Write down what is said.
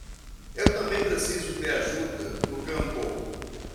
Eu também preciso de ajuda no campo.